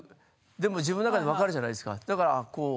でも自分の中では分かるじゃないですか。